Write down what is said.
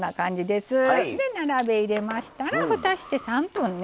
で並べ入れましたらふたして３分ね